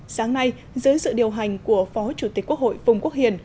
sáng nay dưới sự điều hành của phó chủ tịch quốc hội phùng quốc hiền